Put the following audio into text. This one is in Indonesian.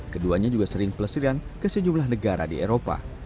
keduanya juga sering pelestirian ke sejumlah negara di eropa